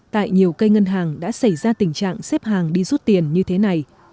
tại nhiều cây ngân hàng đã xảy ra tình trạng xếp hàng đi rút tiền như thế này